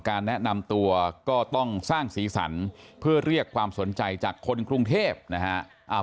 แนะนำตัวก็ต้องสร้างสีสันเพื่อเรียกความสนใจจากคนกรุงเทพนะฮะ